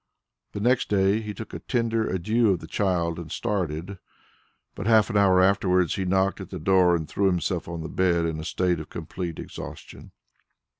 The next day he took a tender adieu of the child and started; but half an hour afterwards he knocked at the door and threw himself on the bed in a state of complete exhaustion.